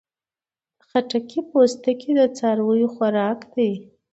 د تربوز پوستکی د څارویو خوراک دی.